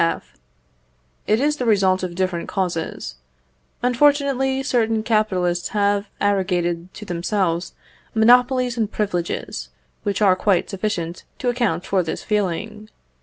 F. It is the result of different causes. Unfortunately, certain capitalists have arrogated to themselves monopolies and privileges which are quite sufficient to account for this feeling.